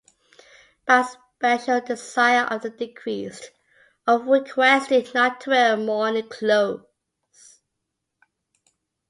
By "special desire of the deceased" all were requested not to wear mourning clothes.